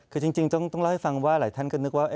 คือจริงต้องเล่าให้ฟังว่าหลายท่านก็นึกว่า